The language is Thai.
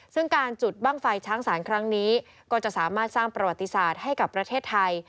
ซึ่งการจุดบ้างไฟช้างสารครั้งนี้ก็จะสามารถสร้างประวัติศาสตร์ให้กับประเทศไทย